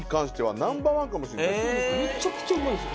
めちゃくちゃうまいです。